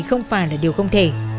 không phải là điều không thể